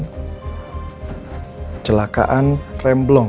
telah menyebabkan kecelakaan remblong